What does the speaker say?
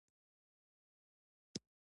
مېوې د افغانستان د ملي هویت یوه ډېره ښکاره نښه ده.